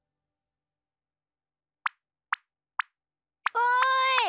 おい！